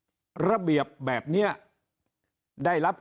คราวนี้เจ้าหน้าที่ป่าไม้รับรองแนวเนี่ยจะต้องเป็นหนังสือจากอธิบดี